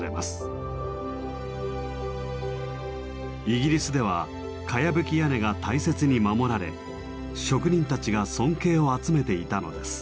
イギリスではかやぶき屋根が大切に守られ職人たちが尊敬を集めていたのです。